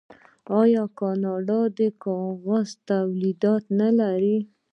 آیا کاناډا د کاغذ تولیدات نلري؟